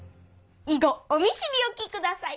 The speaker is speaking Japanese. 以後お見知り置きください。